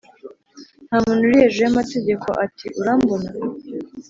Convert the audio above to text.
nta muntu uri hejuru y'amategeko" ati: urambona